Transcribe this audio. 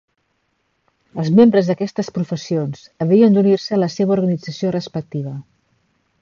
Els membres d'aquestes professions havien d'unir-se a la seva organització respectiva.